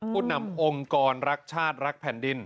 ผู้นำองค์กรรักชาติรักแผ่นดิน